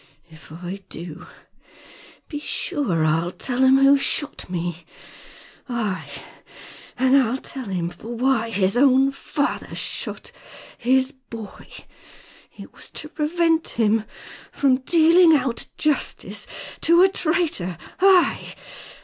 If I do, be sure I'll tell him who shot me. Aye, and I'll tell him for why his own father shot his boy. It was to prevent him from dealing out justice to a traitor! Ay!"